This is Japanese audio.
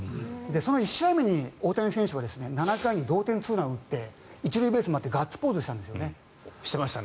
その１試合目に大谷選手が７回に同点ツーランを打って１塁ベースを回ってガッツポーズしたんです。